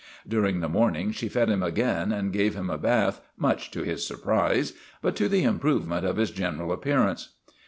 During the morning she fed him again and gave him a bath, much to his surprise, but to the improvement of his general appearance.